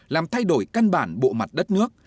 làm thay đổi căn bản bộ mặt đất nước